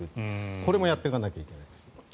これもやっていかなきゃいけないです。